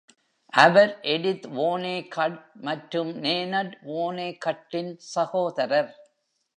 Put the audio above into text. அவர் Edith Vonnegut மற்றும் Nanette வோனெகட்டின் சகோதரர்.